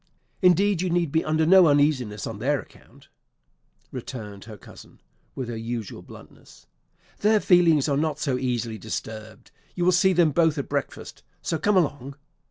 "Indeed, you need be under no uneasiness on their account," returned her cousin, with her usual bluntness; "their feelings are not so easily disturbed; you will see them both at breakfast, so come along."